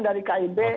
dari kib bahwa